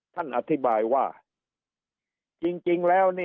ท่านอธิบายว่าจริงแล้ว